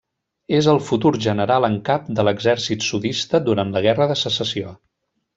És el futur general en cap de l’exèrcit sudista durant la Guerra de Secessió.